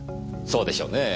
そうでしょうね。